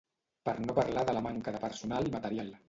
Per no parlar de la manca de personal i material.